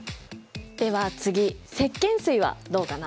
では次石けん水はどうかな？